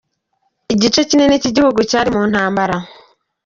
Igice kinini c'igihugu cari mu ntambara.